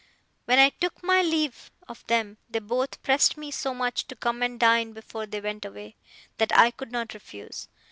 When I took my leave of them, they both pressed me so much to come and dine before they went away, that I could not refuse.